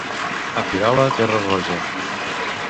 A Pierola, terra roja.